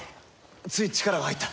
つい力が入った。